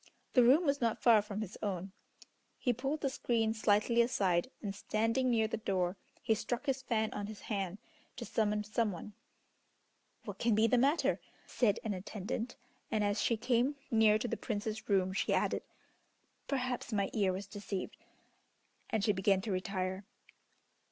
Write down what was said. The room was not far from his own. He pulled the screen slightly aside, and standing near the door, he struck his fan on his hand, to summon some one. "What can be the matter," said an attendant, and as she came near to the Prince's room she added, "Perhaps my ear was deceived," and she began to retire.